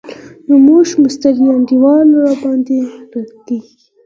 نو زموږ مستري انډيوالان ورباندې لګېږي.